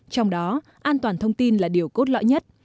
trong đó an toàn thông tin là điều cốt lõi nhất